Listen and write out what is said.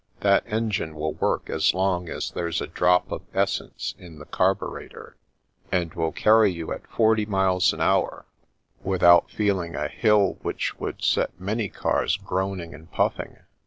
That engine will work as long as there's a drop of essence in the carburet it 1 8 The Princess Passes ter, and will carry you at forty miles an hour, with out feeling a hill which would set many cars groan ing and puffing.